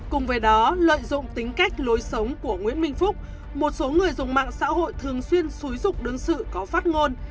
cùng với đó lợi dụng tính cách lối sống của nguyễn minh phúc một số người dùng mạng xã hội thường xuyên xúi dục đương sự có phát ngôn